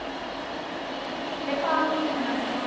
ペッパーミルになります。